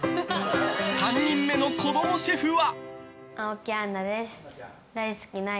３人目の子供シェフは。